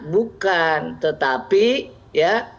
bukan tetapi ya